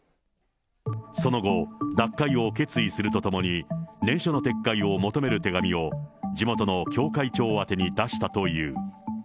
その後、脱会を決意するとともに、念書の撤回を求める手紙を、地元の教会長宛てに出したという。